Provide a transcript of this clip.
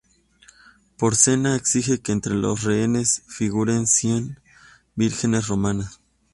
Porsena exige que entre los rehenes figuren cien vírgenes romanas.